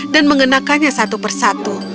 dan mengenakannya satu persatu